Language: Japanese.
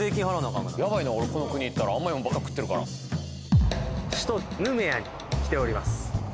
かんからやばいな俺この国行ったら甘いもんばっか食ってるから首都ヌメアに来ております